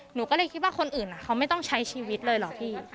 หนูก็เลยคิดว่าคนอื่นเขาไม่ต้องใช้ชีวิตเลยเหรอพี่